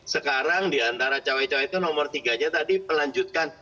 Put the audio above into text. sekarang diantara cewek cewek itu nomor tiga tadi pelanjutkan